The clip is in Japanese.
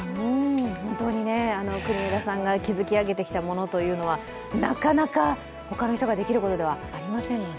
本当に国枝さんが築き上げてきたものというのはなかなか他の人ができることではありませんよね。